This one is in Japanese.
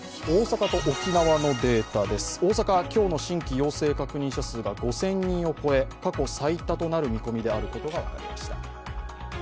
大阪、今日の新規陽性確認者数が５０００人を超え過去最多となる見込みであることが分かりました。